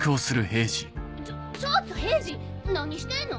ちょっと平次何してんの？